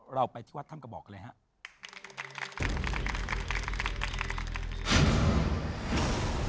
เราไปที่วัดถ้ำกระบอกเลยฮะ